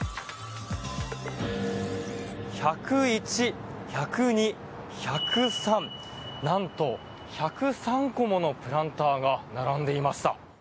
１０１、１０２、１０３なんと１０３個ものプランターが並んでいました。